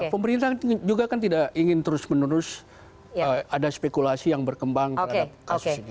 pemerintah juga kan tidak ingin terus menerus ada spekulasi yang berkembang terhadap kasus ini